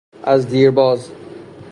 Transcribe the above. از دیرباز